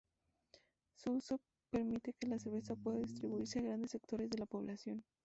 Su uso permite que la cerveza pueda distribuirse a grandes sectores de la población.